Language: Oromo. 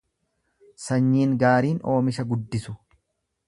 Sanyiin gaariin oomisha guddisu.